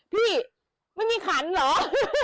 พี่ไม่มีขันเหรอ